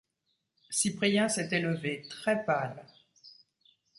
Cyprien s’était levé, très pâle.